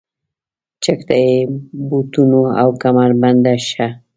چک ته بې بوټونو او کمربنده شه.